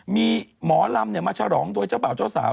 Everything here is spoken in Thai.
มีหมอลำมาฉลองโดยเจ้าบ่าวเจ้าสาว